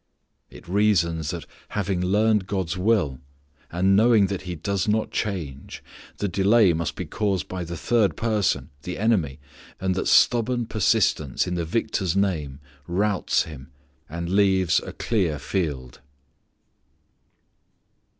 It reasons that having learned God's will, and knowing that He does not change, the delay must be caused by the third person, the enemy, and that stubborn persistence in the Victor's name routs him, and leaves a clear field.